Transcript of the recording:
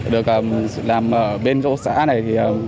được làm ở bên chỗ xã này